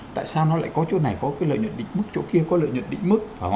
tại sao nó lại có chỗ này có cái lợi nhuận định mức chỗ kia có lợi nhuận định mức